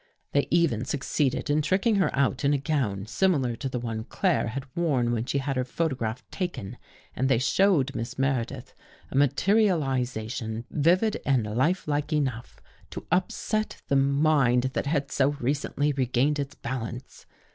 They even succeeded in tricking her out in a gown similar to the one Claire had worn when she had her photograph taken and they showed Miss Meredith a materializa tion vivid and lifelike enough to upset the mind that had so recently regained its balance.